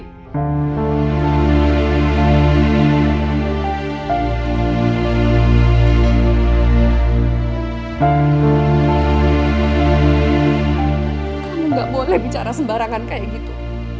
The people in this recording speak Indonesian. kamu nggak boleh bicara sembarangan kayak gitu